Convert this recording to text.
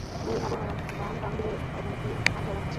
ঐ-সব নয়ন-বাণ-টানগুলোর এখন কি আর চলন আছে?